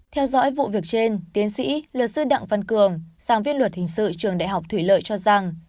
theo dõi vụ việc trên tiến sĩ luật sư đặng văn cường sáng viên luật hình sự trường đại học thủy lợi cho rằng